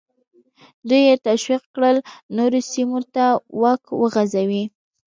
دوی یې تشویق کړل نورو سیمو ته واک وغځوي.